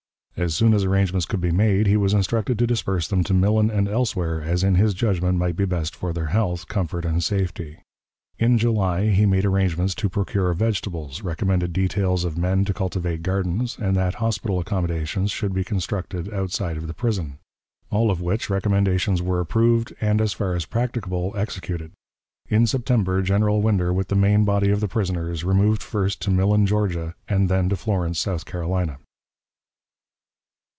As soon as arrangements could be made, he was instructed to disperse them to Millen and elsewhere, as in his judgment might be best for their health, comfort and safety. In July he made arrangements to procure vegetables, recommended details of men to cultivate gardens, and that hospital accommodations should be constructed outside of the prison; all of which recommendations were approved, and as far as practicable executed. In September General Winder, with the main body of the prisoners, removed first to Millen, Georgia, and then to Florence, South Carolina.